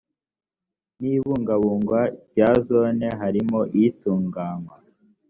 n ibungabungwa rya zone harimo itunganywa